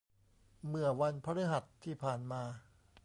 เมื่อวันพฤหัสที่ผ่านมา